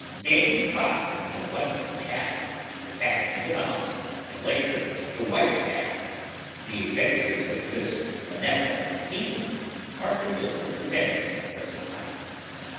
"Dame Trot and her Wonderful Cat," "The Cat and the Mouse," and, later, "The White Cat," "The Adventures of Miss Minette Cattina," are familiar to many of the present time.